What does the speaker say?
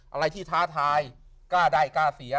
อะไรที่ท้าทายกล้าได้กล้าเสีย